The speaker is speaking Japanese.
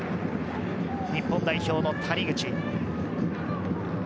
日本代表の谷口。